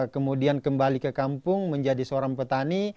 kemudian kembali ke kampung menjadi seorang petani